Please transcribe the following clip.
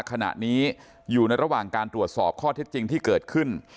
ขณะนี้อยู่ในระหว่างการตรวจสอบข้อเท็จจริงที่เกิดขึ้น